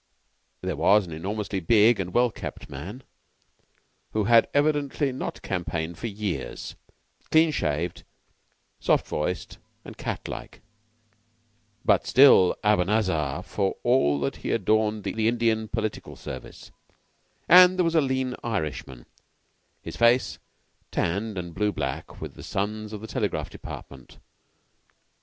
There was an enormously big and well kept man, who had evidently not campaigned for years, clean shaved, soft voiced, and cat like, but still Abanazar for all that he adorned the Indian Political Service; and there was a lean Irishman, his face tanned blue black with the suns of the Telegraph Department.